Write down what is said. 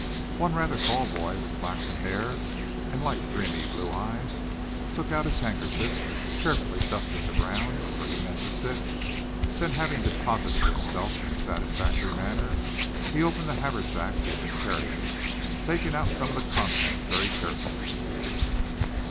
One rather tall boy, with flaxen hair, and light dreamy blue eyes, took out his handkerchief, carefully dusted the ground where he meant to sit, then having deposited himself in a satisfactory manner, he opened the haversack he had been carrying, taking out some of the contents very carefully.